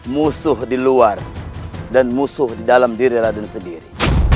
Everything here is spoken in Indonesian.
musuh di luar dan musuh di dalam diri raden sendiri